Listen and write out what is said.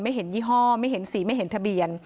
ไม่เห็นยี่ห้อไม่เห็นสีไม่เห็นทะเบียน